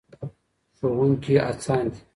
ښوونکي هڅاند دي.